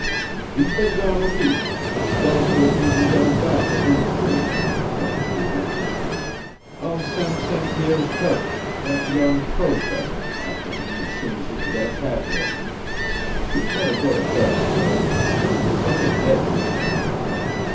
"He's been gone a week. It's doubtful if we can get him back within three," said MacDougall. "I'll send St. Pierre's cousin, that young Crow Feather, after him as soon as he can get a pack ready. You'd better go to bed, Phil. You look like a dead man."